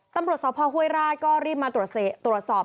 ตำรวจสวทธิ์ภพหุ้ยราชก็รีบมาตรวจสอบ